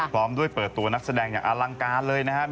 พร้อมด้วยเปิดตัวนักแสดงอย่างอลังการเลยนะครับ